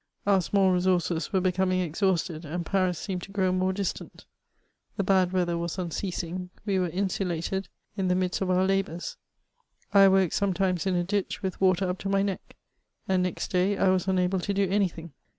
Our small resources were becoming exhausted, and Paris seemed to grow more distant. The bad weather was unceasing ; we were insulated in the midst 352 MEHOISS OF of our labours. I awoke sometinies in a ditch, with water tcp to my neck; aad next day I was unable to do any thing.